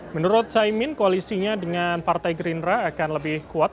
menurut caimin koalisinya dengan partai gerindra akan lebih kuat